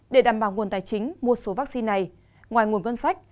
để đảm bảo nguồn tài chính mua số vaccine này ngoài nguồn ngân sách